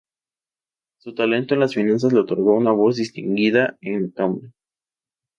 Su talento en las finanzas le otorgó una voz distinguida en la cámara.